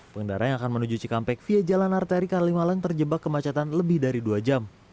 pengendara yang akan menuju cikampek via jalan arteri kalimalang terjebak kemacetan lebih dari dua jam